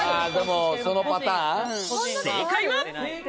正解は。